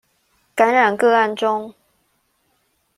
感染個案中